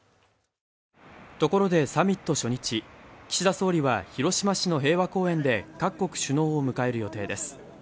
ところでサミット初日、岸田総理は広島市の平和公園で各国首脳を迎える予定です。